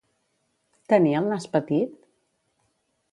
Tenia el nas petit?